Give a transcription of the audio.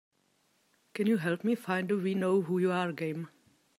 Can you help me find the We No Who U R game?